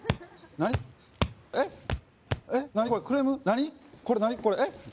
何これ？